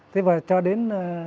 thế và cho đến